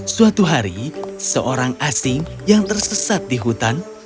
suatu hari seorang asing yang tersesat di hutan